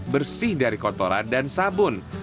bersih dari kotoran dan sabun